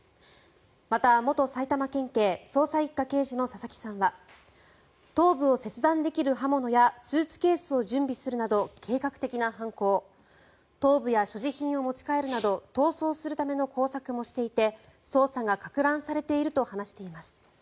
また、元埼玉県警捜査１課刑事の佐々木さんは頭部を切断できる刃物やスーツケースを準備するなど計画的な犯行頭部や所持品を持ち帰るなど逃走するための工作もしていて捜査がかく乱されていると話しています。